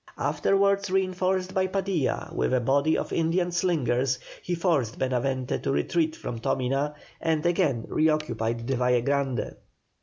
Afterwards reinforced by Padilla with a body of Indian slingers, he forced Benavente to retreat from Tomina, and again reoccupied the Valle Grande.